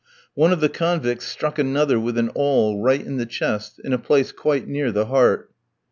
One of the convicts struck another with an awl right in the chest, in a place quite near the heart.